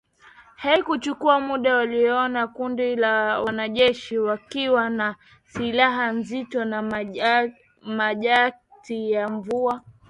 Haikuchukua muda waliona kundi la wanajeshi wakiwa na silaha nzito na majaketi ya mvua